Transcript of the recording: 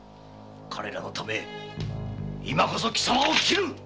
彼らのため今こそ貴様を斬る！